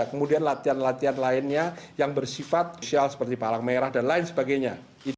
kemudian latihan latihan lainnya yang bersifat sosial seperti palang merah dan lain sebagainya